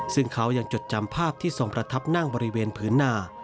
ซึ่งเขายังจดจำภาพที่ทรงประทับนั่งบริเวณพื้นหน้า